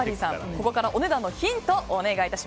ここからお値段のヒント